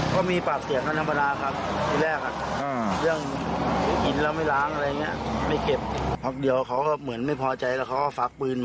คนนี้แหละคือหลาน